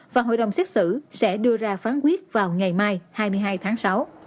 và hội đồng xét xử sẽ đưa ra phán quyết vào ngày mai hai mươi hai tháng sáu